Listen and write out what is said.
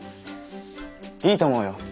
いいと思うよ。